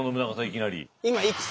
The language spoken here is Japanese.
いきなり。